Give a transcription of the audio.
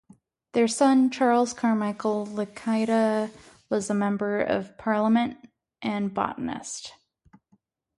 Their son Charles Carmichael Lacaita was a Member of Parliament and botanist.